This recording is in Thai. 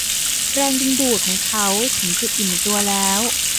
แรงดึงดูดของเขาถึงจุดอิ่มตัวแล้ว